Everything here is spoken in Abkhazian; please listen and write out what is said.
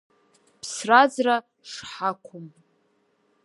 Ԥсра-ӡра шҳақәым…